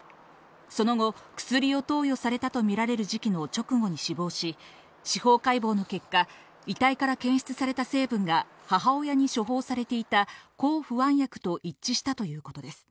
その後、薬を投与されたとみられる時期の直後に死亡し、司法解剖の結果、遺体から検出された成分が母親に処方されていた抗不安薬と一致したということです。